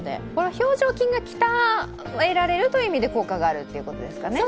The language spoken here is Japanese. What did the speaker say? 表情筋が鍛えられるという意味で効果があるということですかね。